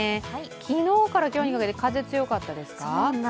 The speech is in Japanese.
昨日から今日にかけて風、強かったですか。